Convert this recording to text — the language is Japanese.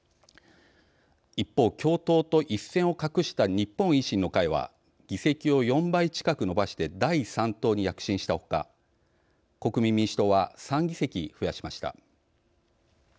一方、共闘と一線を画した日本維新の会は議席を４倍近く伸ばして第３党に躍進したほか国民民主党は３議席増やしました。